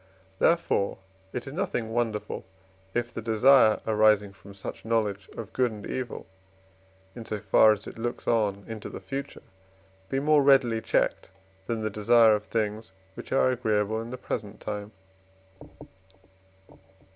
Therefore it is nothing wonderful, if the desire arising from such knowledge of good and evil, in so far as it looks on into the future, be more readily checked than the desire of things which are agreeable at the present time.